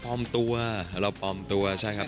ตัวเราปลอมตัวใช่ครับ